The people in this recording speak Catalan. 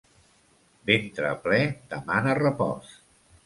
Ventre ple demana repòs.